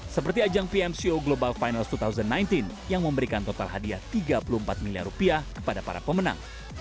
seperti ajang pmco global finals dua ribu sembilan belas yang memberikan total hadiah tiga puluh empat miliar rupiah kepada para pemenang